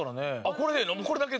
これだけ？